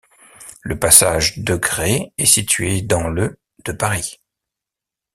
Le passage Desgrais est situé dans le de Paris.